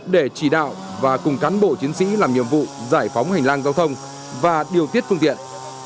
để chỉ đạo và cùng cán bộ chiến sĩ làm nhiệm vụ giải phóng hành lang giao thông và điều tiết phương tiện